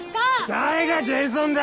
誰がジェイソンだ！